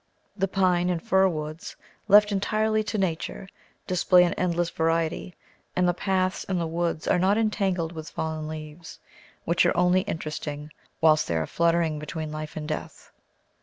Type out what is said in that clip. The pine and fir woods, left entirely to Nature, display an endless variety; and the paths in the woods are not entangled with fallen leaves, which are only interesting whilst they are fluttering between life and death.